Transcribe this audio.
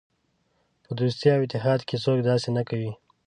په دوستۍ او اتحاد کې څوک داسې نه کوي.